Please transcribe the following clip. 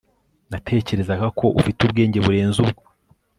natekerezaga ko ufite ubwenge burenze ubwo